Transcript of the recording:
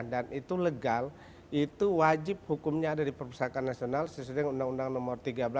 dan itu legal itu wajib hukumnya dari perpustakaan nasional sesuai dengan undang undang no tiga belas dua ribu delapan belas